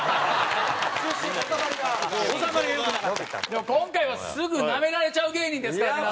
でも今回はすぐナメられちゃう芸人ですから皆さん。